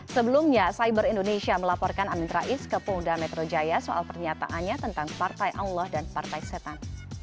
sebelumnya cyber indonesia melaporkan amin rais ke polda metro jaya soal pernyataannya tentang partai allah dan partai setan